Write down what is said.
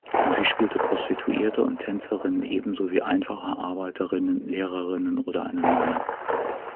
Sie spielte Prostituierte und Tänzerinnen ebenso wie einfache Arbeiterinnen, Lehrerinnen oder eine Nonne.